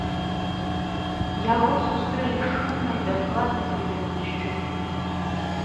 Яго сустрэлі з шумнай, бязладнай прыветнасцю.